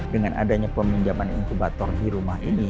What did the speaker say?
dengan adanya peminjaman inkubator di rumah ini